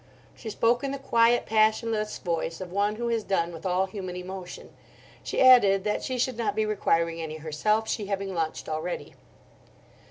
She spoke in the quiet, passionless voice of one who has done with all human emotion. She added that she should not be requiring any herself, she having lunched already.